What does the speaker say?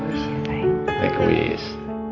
siasat nah mobil became ways